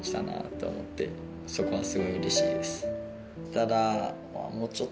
ただ。